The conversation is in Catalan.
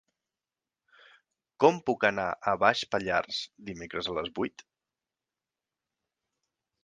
Com puc anar a Baix Pallars dimecres a les vuit?